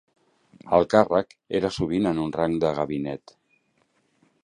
El càrrec era sovint en un rang de gabinet.